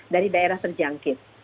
dari daerah terjangkit